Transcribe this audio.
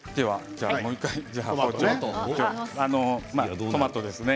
もう１回トマトですね。